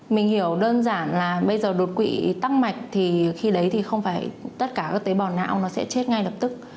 mình hiểu đơn giản là bây giờ đột quỵ tăng mạch thì khi đấy thì không phải tất cả các tế bào não nó sẽ chết ngay lập tức